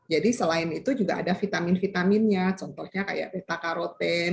jadi selain itu juga ada vitamin vitaminnya contohnya kayak petakaroten